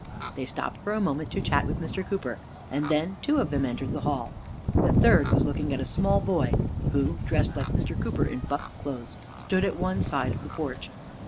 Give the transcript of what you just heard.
They stopped for a moment to chat with Mr. Cooper, and then two of them entered the hall. The third was looking at a small boy, who, dressed like Mr. Cooper in buff clothes, stood at one side of the porch.